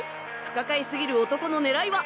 不可解すぎる男の狙いは？